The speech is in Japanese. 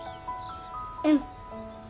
うん。